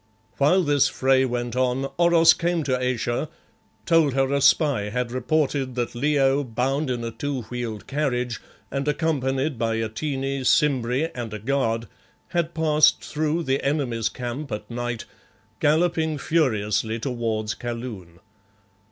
While this fray went on, Oros came to Ayesha, told her a spy had reported that Leo, bound in a two wheeled carriage and accompanied by Atene, Simbri and a guard, had passed through the enemy's camp at night, galloping furiously towards Kaloon.